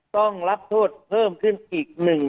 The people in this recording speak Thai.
ต้องรับโทษเพิ่มขึ้นอีกหนึ่ง